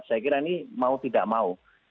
saya kira ini mau tidak mau